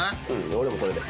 俺もこれで。